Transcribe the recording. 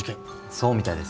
そうみたいですね。